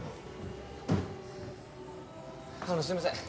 あのすいません。